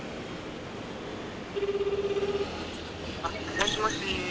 もしもし。